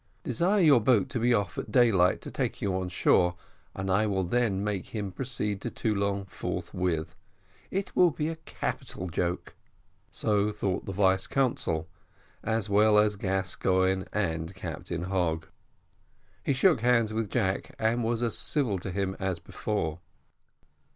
Desire your boat to be off at daylight to take you on shore, and I will then make him proceed to Toulon forthwith. It will be a capital joke." So thought the vice consul, as well as Gascoigne and Captain Hogg. He shook hands with Jack, and was as civil to him as before.